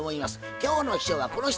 今日の秘書はこの人。